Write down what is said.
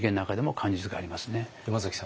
山崎さん